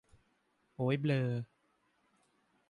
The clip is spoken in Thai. โอ้ยเบลอ